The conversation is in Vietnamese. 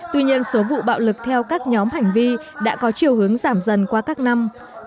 tuy nhiên số vụ bạo lực theo các nhóm hành vi đã có chiều hướng giảm dần qua các năm